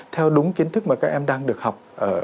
theo đúng kiến thức mà các em đang được học